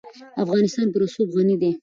افغانستان په رسوب غني دی.